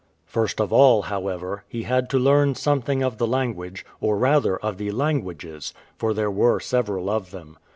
First of all, however, he had to learn something of the language, or rather of the languages, for there were several of them.